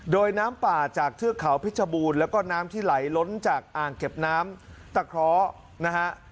โดยน้ำป่าจากเทือกเขาพิชบูรณ์แล้วก็น้ำที่ไหลล้นจากอ่างเก็บน้ำตะเคราะห์นะฮะ